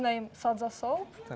namanya adalah sabun saza